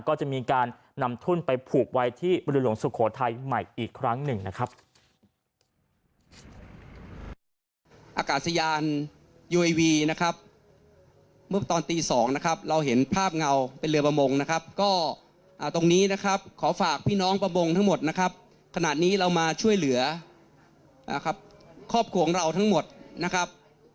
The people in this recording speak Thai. ก็จะมีการนำทุ่นไปผูกไว้ที่เรือหลวงสุโขทัยใหม่อีกครั้งหนึ่งนะครับ